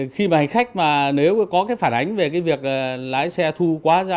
khi mà hành khách mà nếu có cái phản ánh về cái việc lái xe thu quá giá